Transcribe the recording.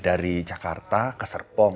dari jakarta ke serpong